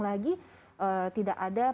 lagi tidak ada